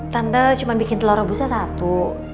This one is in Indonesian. tanda cuma bikin telur rebusnya satu